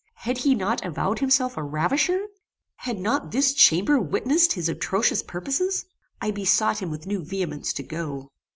Had he not avowed himself a ravisher? Had not this chamber witnessed his atrocious purposes? I besought him with new vehemence to go.